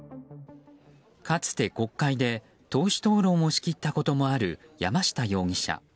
かつて国会で党首討論を仕切ったこともあった山下容疑者。